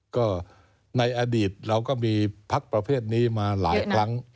ก็ในอดีตเราก็มีพักประเภทนี้มาหลายครั้ง